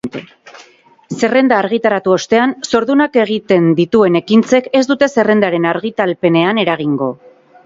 Zerrenda argitaratu ostean zordunak egiten dituen ekintzek ez dute zerrendaren argitalpenean eragingo.